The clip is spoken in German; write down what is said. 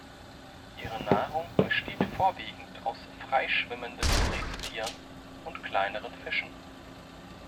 Ihre Nahrung besteht vorwiegend aus freischwimmenden Krebstieren und kleineren Fischen.